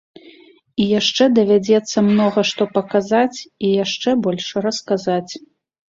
І яшчэ давядзецца многа што паказаць і яшчэ больш расказаць.